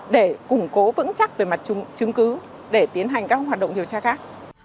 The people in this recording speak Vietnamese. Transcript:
để củng cố vững chắc về mặt chứng cứ để tiến hành các hoạt động điều tra khác